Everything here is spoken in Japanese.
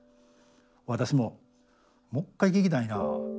私も『もう一回聴きたいなあ。